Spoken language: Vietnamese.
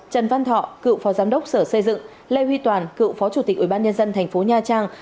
trần văn thọ cựu phó giám đốc sở xây dựng lê huy toàn cựu phó chủ tịch ủy ban nhân dân thành phố nha trang